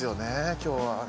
今日はね